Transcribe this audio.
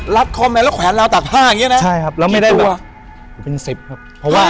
ลัดคอแมวแล้วแขวนเราตากผ้าอย่างเงี้ยนะใช่ครับแล้วไม่ได้แบบเป็นสิบครับเฮ้ย